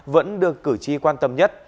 vẫn được cử tri quan tâm nhất